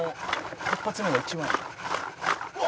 「一発目が一番」